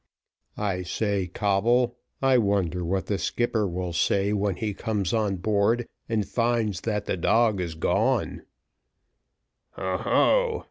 "I say, Coble, I wonder what the skipper will say when he comes on board, and finds that the dog is gone?"